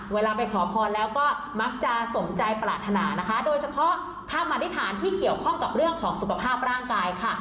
เวลาไปขอพรแล้วก็มักจะสมใจปรารถนานะคะโดยเฉพาะคำอธิษฐานที่เกี่ยวข้องกับเรื่องของสุขภาพร่างกายค่ะ